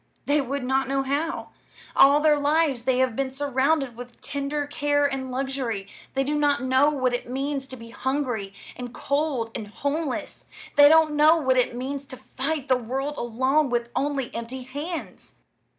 They would not know how. All their lives they have been surrounded with tender care and luxury; they do not know what it means to be hungry and cold and homeless. They do not know what it means to fight the world alone with only empty hands."